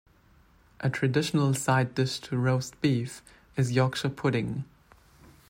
A traditional side dish to roast beef is Yorkshire pudding.